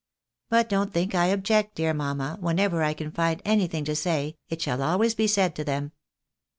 But don't think I object, dear mamma ; whenever I #an find anything to say, it shall always be said to them."